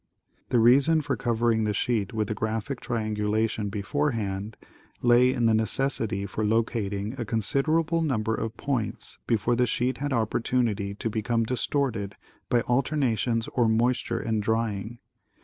The reason for covering the sheet with the graphic triangulation beforehand lay in the necessity for locating a considerable number of points before the sheet had opportunity to become distorted by alter nations of moisture and drying.